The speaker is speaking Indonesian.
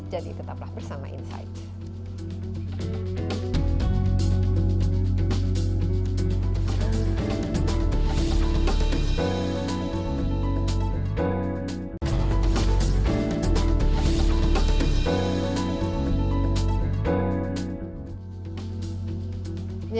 jadi tetaplah bersama insight